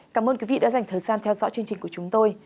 cảm ơn quý vị đã dành thời gian theo dõi chương trình của chúng tôi